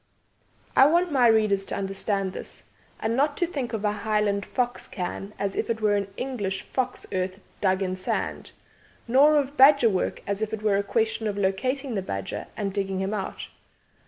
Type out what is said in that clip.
I want my readers to understand this, and not to think of a Highland fox cairn as if it were an English fox earth dug in sand; nor of badger work as if it were a question of locating the badger and then digging him out.